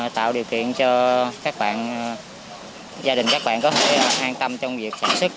tạo điều kiện cho gia đình các bạn có thể an tâm trong việc sản xuất